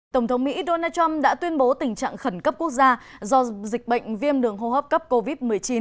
tổng thống mỹ donald trump đã tuyên bố tình trạng khẩn cấp quốc gia do dịch bệnh viêm đường hô hấp cấp covid một mươi chín